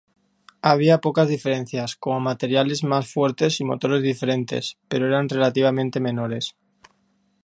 Había pocas diferencias, como materiales más fuertes y motores diferentes, pero eran relativamente menores.